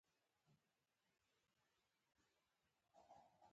د کرنې د پراختیا لپاره د نوو څېړنو اړتیا ده.